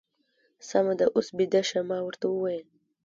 سمه ده، اوس بېده شه. ما ورته وویل.